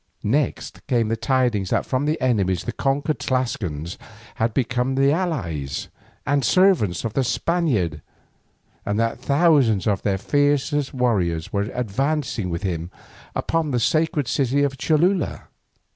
Next came the tidings that from enemies the conquered Tlascalans had become the allies and servants of the Spaniard, and that thousands of their fiercest warriors were advancing with him upon the sacred city of Cholula.